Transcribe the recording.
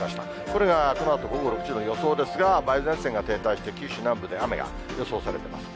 これがこのあと午後６時の予想ですが、梅雨前線が停滞して、九州南部で雨が予想されてます。